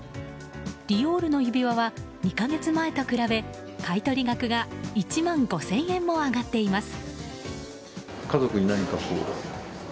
ディオールの指輪は２か月前と比べ買い取り額が１万５０００円も上がっています。